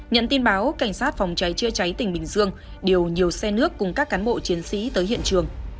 nhận tin báo cảnh sát phòng cháy chữa cháy tỉnh bình dương điều nhiều xe nước cùng các cán bộ chiến sĩ tới hiện trường